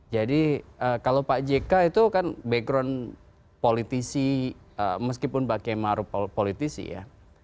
jadi kalau pak jk itu kan background politisi meskipun pak k maruf politisi ya